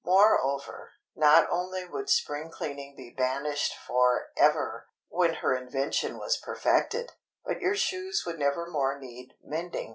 Moreover, not only would spring cleaning be banished for ever—when her invention was perfected—but your shoes would never more need mending.